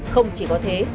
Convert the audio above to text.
không chỉ có thế